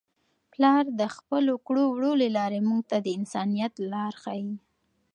پلار د خپلو کړو وړو له لارې موږ ته د انسانیت لار ښيي.